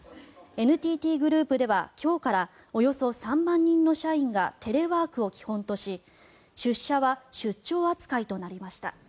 ＮＴＴグループでは今日からおよそ３万人の社員がテレワークを基本とし出社は出張扱いとなりました。